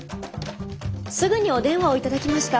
すぐにお電話を頂きました。